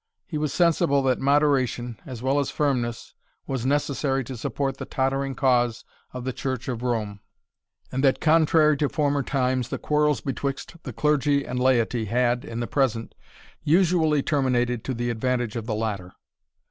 He was sensible that moderation, as well as firmness, was necessary to support the tottering cause of the Church of Rome; and that, contrary to former times, the quarrels betwixt the clergy and laity had, in the present, usually terminated to the advantage of the latter.